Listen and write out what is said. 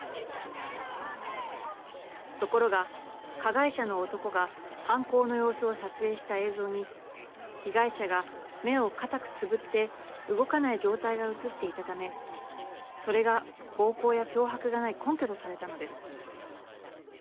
ところが、加害者の男が犯行の様子を撮影した映像に被害者が目を固くつぶって動かない状態が映っていたためそれが暴行や脅迫がない根拠とされたのです。